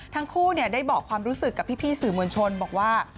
ทั้งคู่ได้บอกความรู้สึกกับพี่สื่อมวลชนบอกว่า